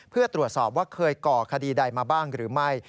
เพื่อตรวจสอบว่าเคยก่อคดีใดมาบ้างหรือไม่